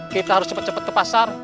kita harus cepet cepet ke pasar